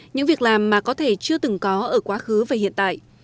những việc làm mà có thể chưa từng có ở quá khứ và hiện tại